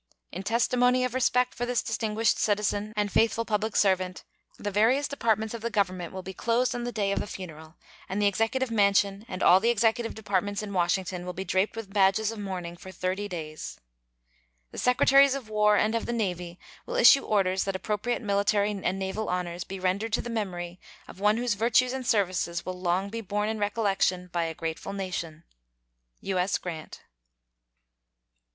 In testimony of respect for this distinguished citizen and faithful public servant the various Departments of the Government will be closed on the day of the funeral, and the Executive Mansion and all the Executive Departments in Washington will be draped with badges of mourning for thirty days. The Secretaries of War and of the Navy will issue orders that appropriate military and naval honors be rendered to the memory of one whose virtues and services will long be borne in recollection by a grateful nation. U.S. GRANT.